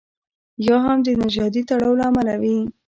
یا هم د نژادي تړاو له امله وي.